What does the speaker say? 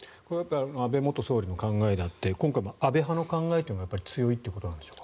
安倍元総理の考えであって今回も安倍派の考えというのが強いということでしょうか。